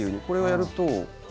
これをやると。